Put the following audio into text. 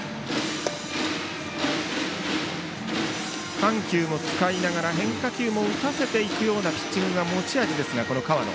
緩急を使いながら変化球を打たせていくようなピッチングが持ち味ですが、河野。